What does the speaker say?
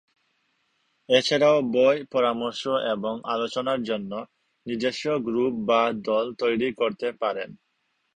এছাড়াও বই পরামর্শ এবং আলোচনার জন্য নিজস্ব গ্রুপ বা দল তৈরি করতে পারেন।